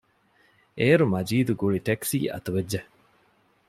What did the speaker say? އޭރު މަޖީދު ގުޅި ޓެކްސީ އަތުވެއްޖެ